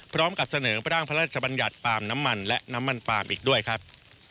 พร้อมกับเสนอร่างพระราชบัญญัติปาล์มน้ำมันและน้ำมันปาล์มอีกด้วยครับ